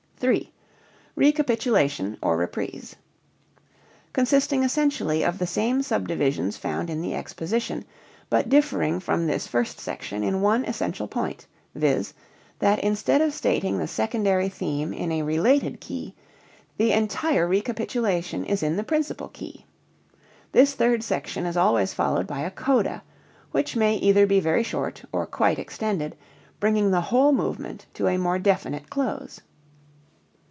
RECAPITULATION (OR REPRISE) Consisting essentially of the same subdivisions found in the exposition, but differing from this first section in one essential point, viz., that instead of stating the secondary theme in a related key, the entire recapitulation is in the principal key. This third section is always followed by a coda (which may either be very short or quite extended), bringing the whole movement to a more definite close.